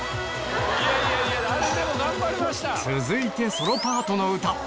続いてソロパートの歌